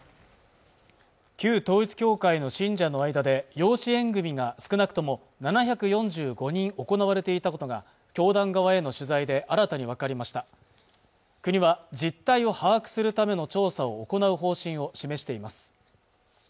旧統一教会の信者の間で養子縁組が少なくとも７４５人行われていたことが教団側への取材で新たに分かりました国は実態を把握するための調査を行う方針を示しています